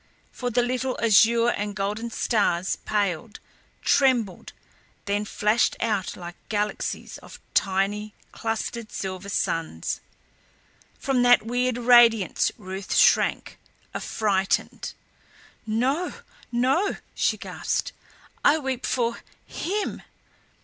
For the little azure and golden stars paled, trembled, then flashed out like galaxies of tiny, clustered silver suns. From that weird radiance Ruth shrank, affrighted. "No no," she gasped. "I weep for HIM."